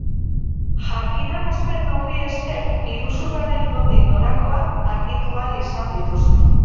Jakinarazpen horri esker, iruzurraren nondik norakoak argitu ahal izan dituzte.